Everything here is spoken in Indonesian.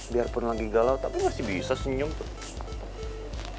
biarpun lagi galau tapi masih bisa senyum tuh